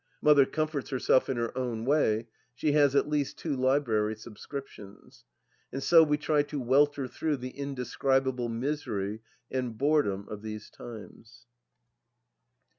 Mother comforts herself in her own way ; she has at least two library sub scriptions. And so we try to welter through the indes cribable misery and boredom of these times.